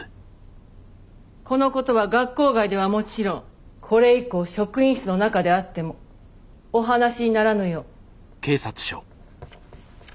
このことは学校外ではもちろんこれ以降職員室の中であってもお話にならぬよう。